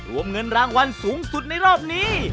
รวมเงินรางวัลสูงสุดในรอบนี้